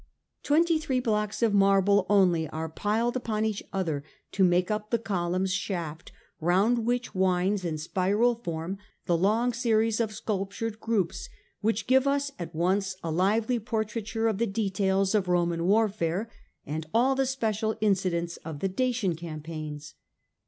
Twenty three blocks of marble only a.d. 113. are piled upon each other to make up the column^s shaft, round which winds in spiral form the long series of sculptured groups, which give us at once a lively portrai ture of the details of Roman warfare and all the special incidents of the Dacian campaigns.